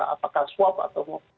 apakah swab atau mufti